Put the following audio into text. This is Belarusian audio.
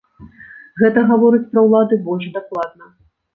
Гэта гаворыць пра ўлады больш дакладна.